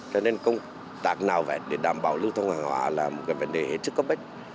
cho nên công tác nào vét để đảm bảo lưu thông hàng hóa là một cái vấn đề hết sức có bách